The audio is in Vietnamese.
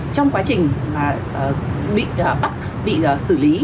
trong quá trình bị bắt bị xử lý